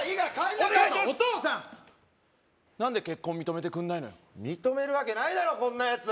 ちょっとお父さん何で結婚認めてくんないのよ認めるわけないだろこんなやつ！